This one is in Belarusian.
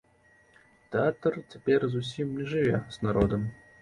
Тэатр цяпер зусім не жыве з народам.